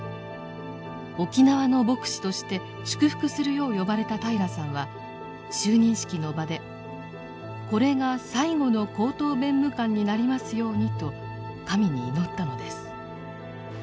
沖縄の牧師として祝福するよう呼ばれた平良さんは就任式の場で「これが最後の高等弁務官になりますように」と神に祈ったのです。